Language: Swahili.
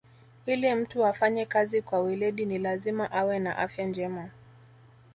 Ili mtu afanye kazi kwa weledi ni lazima awe na afya njema